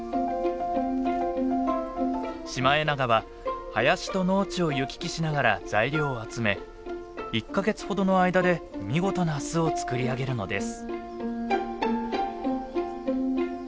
シマエナガは林と農地を行き来しながら材料を集め１か月ほどの間で見事な巣を作り上げるのです。